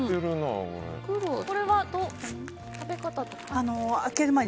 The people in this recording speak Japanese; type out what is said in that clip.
これは食べ方とか？